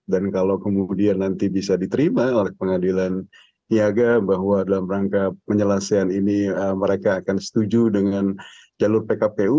dan kalau kemudian nanti bisa diterima oleh pengadilan niaga bahwa dalam rangka penyelesaian ini mereka akan setuju dengan jalur pkpu